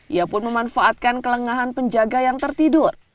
ia pun memanfaatkan kelengahan penjaga yang tertidur